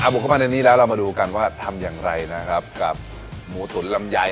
บุกเข้ามาในนี้แล้วเรามาดูกันว่าทำอย่างไรนะครับกับหมูตุ๋นลำไย